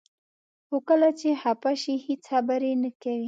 خو کله چې خفه شي هیڅ خبرې نه کوي.